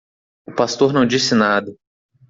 O pastor não disse nada.